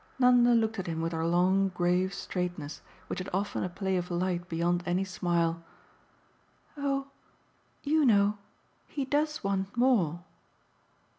Nanda looked at him with her long grave straight ness, which had often a play of light beyond any smile. "Oh, you know, he does want more."